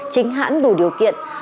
chính hãng đủ điều kiện